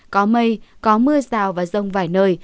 có mây có mưa rào và rồng vài nơi